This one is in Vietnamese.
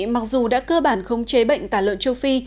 mặc dù đã cơ bản khống chế bệnh tả lợn châu phi